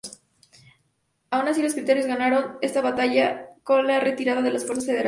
Aun así los cristeros ganaron esta batalla con la retirada de las fuerzas federales.